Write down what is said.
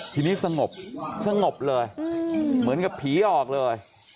ทีนี้สงบสงบเลยเหมือนกับผีออกเลย